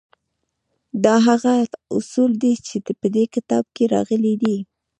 دا هغه اصول دي چې په دې کتاب کې راغلي دي